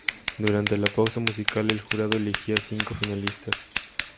Durante la pausa musical, el jurado elegía cinco finalistas.